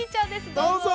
どうぞ。